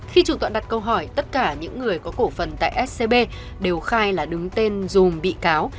khi chủ tọa đặt câu hỏi tất cả những người có cổ phần tại scb đều khai là đứng tên dùm bị cáo